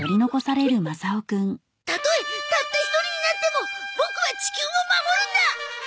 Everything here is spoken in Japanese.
たとえたった一人になってもボクは地球を守るんだ！